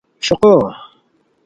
شوقو